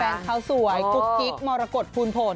แฟนเขาสวยกุ๊กกิ๊กมรกฏคูณผล